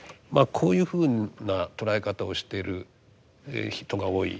こういうふうな捉え方をしている人が多い。